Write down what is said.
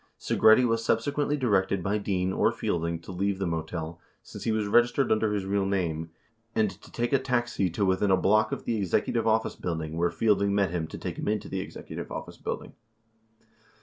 Segretti was subsequently directed by Dean or Fielding to leave the motel, since he was registered under his real name, and to take a taxi to within a block of the Executive Office Building where Field ing met him to take him into the Executive Office Building.